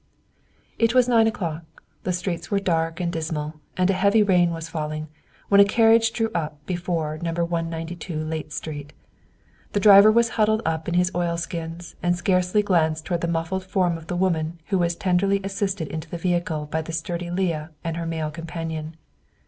It was nine o'clock, the streets were dark and dismal, and a heavy rain was falling, when a carriage drew up before No. 192 Layte Street. The driver was huddled up in his oilskins and scarcely glanced toward the muffled form of the woman who was tenderly assisted into the vehicle by the sturdy Leah and her male companion.